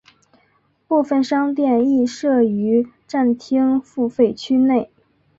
部分商店亦设于站厅付费区内。